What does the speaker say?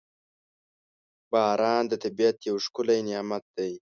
• باران د طبیعت یو ښکلی نعمت دی.